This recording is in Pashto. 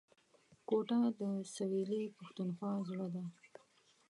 کوټه د سویلي پښتونخوا زړه دی